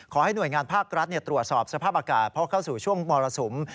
ขอให้หน่วยงานภาครัฐตรวจสอบสภาพอากาศเพราะเข้าสู่ช่วงมรสุม